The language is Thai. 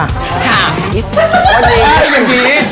อ่ะอย่างนี้